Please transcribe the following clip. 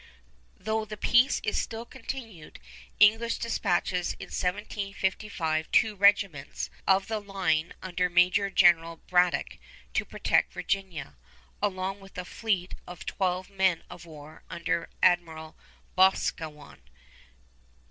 Though the peace is still continued, England dispatches in 1755 two regiments of the line under Major General Braddock to protect Virginia, along with a fleet of twelve men of war under Admiral Boscawen.